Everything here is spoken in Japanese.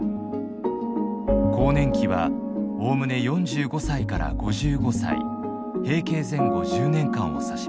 更年期はおおむね４５歳から５５歳閉経前後１０年間を指します。